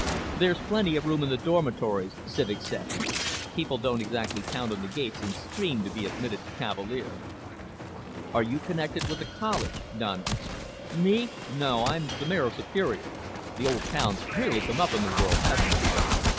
"There's plenty of room in the dormitories," Civek said. "People don't exactly pound on the gates and scream to be admitted to Cavalier." "Are you connected with the college?" Don asked. "Me? No. I'm the mayor of Superior. The old town's really come up in the world, hasn't it?"